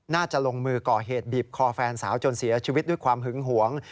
น่าจะลงมือก่อเหตุบีบคอแฟนสาวจนเสียชีวิตด้วยความหึงหวง